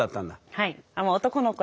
はい。